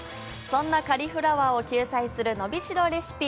そんなカリフラワーを救済するのびしろレシピ。